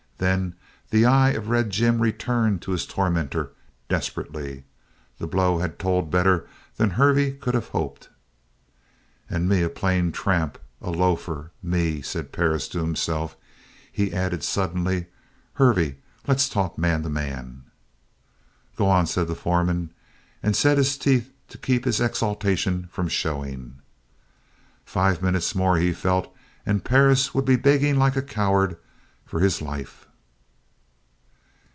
Then the eye of Red Jim returned to his tormentor, desperately. The blow had told better than Hervey could have hoped. "And me a plain tramp a loafer me!" said Perris to himself. He added suddenly: "Hervey, let's talk man to man!" "Go on," said the foreman, and set his teeth to keep his exultation from showing. Five minutes more, he felt, and Perris would be begging like a coward for his life.